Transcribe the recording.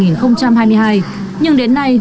năm hai nghìn hai mươi hai nhưng đến nay